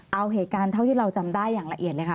เอาเหตุการณ์เท่าที่เราจำได้อย่างละเอียดเลยค่ะ